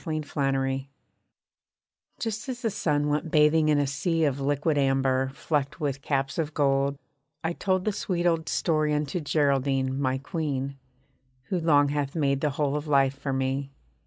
GERALDINE Just as the sun went bathing in a sea Of liquid amber, flecked with caps of gold, I told The sweet old story unto Geraldine, my Queen, Who long hath made the whole of life for me.